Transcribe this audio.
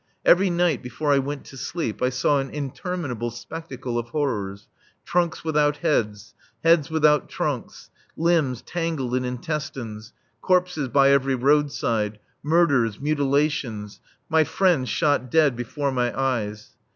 Every night before I went to sleep I saw an interminable spectacle of horrors: trunks without heads, heads without trunks, limbs tangled in intestines, corpses by every roadside, murders, mutilations, my friends shot dead before my eyes.